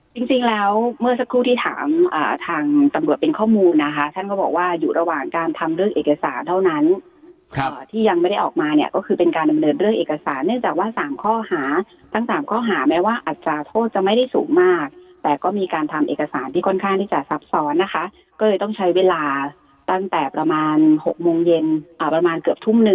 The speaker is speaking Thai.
จริงแล้วเมื่อสักครู่ที่ถามทางตำรวจเป็นข้อมูลนะคะท่านก็บอกว่าอยู่ระหว่างการทำเรื่องเอกสารเท่านั้นที่ยังไม่ได้ออกมาเนี่ยก็คือเป็นการดำเนินเรื่องเอกสารเนื่องจากว่า๓ข้อหาทั้งสามข้อหาแม้ว่าอัตราโทษจะไม่ได้สูงมากแต่ก็มีการทำเอกสารที่ค่อนข้างที่จะซับซ้อนนะคะก็เลยต้องใช้เวลาตั้งแต่ประมาณ๖โมงเย็นประมาณเกือบทุ่มหนึ่ง